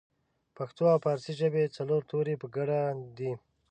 پښتو او پارسۍ ژبې څلور توري په ګډه دي